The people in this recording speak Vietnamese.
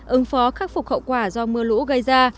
ứng phó khắc phục hậu quả do mưa lũ gây ra